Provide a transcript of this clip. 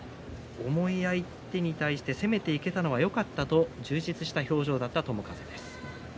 重い相手に対して攻めていけたのがよかったと充実した表情だった友風です。